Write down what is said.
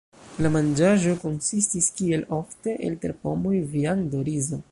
La manĝaĵo konsistis kiel ofte, el terpomoj, viando, rizo.